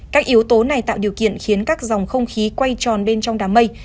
các yếu tố này tạo điều kiện khiến các dòng không khí quay tròn bên trong đám mây